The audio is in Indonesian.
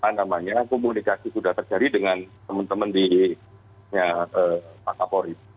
namanya komunikasi sudah terjadi dengan teman teman di pak kapolri